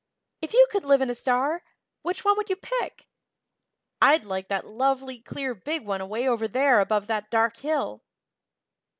If you could live in a star, which one would you pick? I'd like that lovely clear big one away over there above that dark hill."